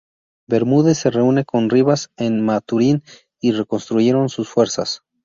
Bermúdez se reúne con Ribas en Maturín y reconstruyeron sus fuerzas.